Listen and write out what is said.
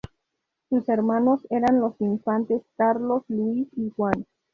Sus hermanos eran los infantes Carlos Luis y Juan.